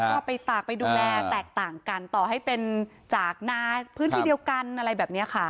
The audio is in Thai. ก็ไปตากไปดูแลแตกต่างกันต่อให้เป็นจากนาพื้นที่เดียวกันอะไรแบบนี้ค่ะ